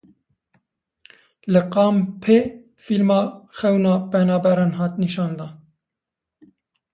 Li kampê fîlma xewna penaberan hat nîşandan.